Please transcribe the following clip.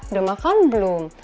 udah makan belum